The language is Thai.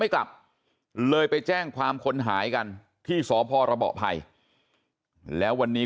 กลับเลยไปแจ้งความคนหายกันที่สพรบภัยแล้ววันนี้